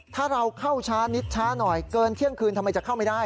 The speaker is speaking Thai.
ถ้าเราเข้าช้านิดช้าหน่อยเกินเที่ยงคืนทำไมจะเข้าไม่ได้